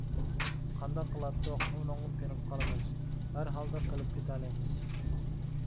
قانداق قىلاتتۇق ئۇنىڭغىمۇ كۆنۈپ قالىمىز ھەر ھالدا قىلىپ كېتەلەيمىز.